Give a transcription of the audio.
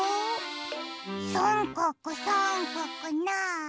さんかくさんかくなに？